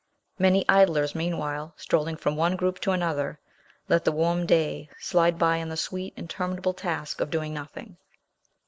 Many idlers, meanwhile, strolling from one group to another, let the warm day slide by in the sweet, interminable task of doing nothing.